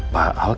pada apa ya